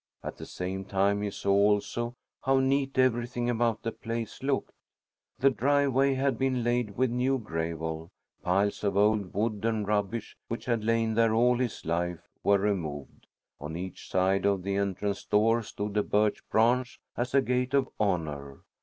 At the same time he saw, also, how neat everything about the place looked. The driveway had been laid with new gravel; piles of old wood and rubbish, which had lain there all his life, were removed. On each side of the entrance door stood a birch branch, as a gate of honor.